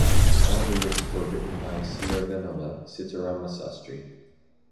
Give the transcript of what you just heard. All lyrics were written by Sirivennela Sitarama Sastry.